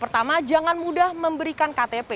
pertama jangan mudah memberikan ktp